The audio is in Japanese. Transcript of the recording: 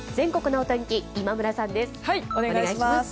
お願いします。